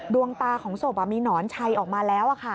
ดวงตาของศพมีหนอนชัยออกมาแล้ว